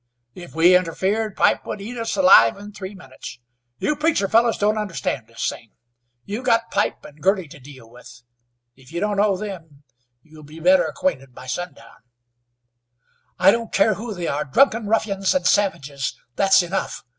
"If we interfered Pipe would eat us alive in three minutes. You preacher fellows don't understand this thing. You've got Pipe and Girty to deal with. If you don't know them, you'll be better acquainted by sundown." "I don't care who they are. Drunken ruffians and savages! That's enough.